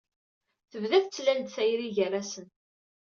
Tebda tettlal-d tayri gar-asen.